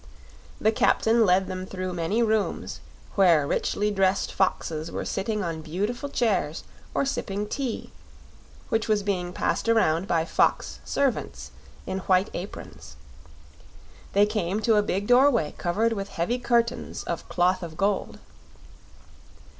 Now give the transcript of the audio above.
The captain led them through many rooms, where richly dressed foxes were sitting on beautiful chairs or sipping tea, which was being passed around by fox servants in white aprons. They came to a big doorway covered with heavy curtains of cloth of gold.